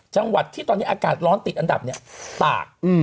จังหวัดที่ตอนนี้อากาศร้อนติดอันดับเนี่ยตาก